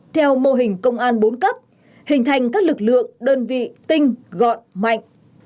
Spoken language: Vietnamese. theo mô hình công an bốn cấp hình thành các lực lượng đơn vị tinh gọn mạnh